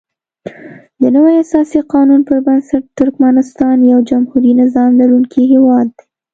دنوي اساسي قانون پر بنسټ ترکمنستان یو جمهوري نظام لرونکی هیواد دی.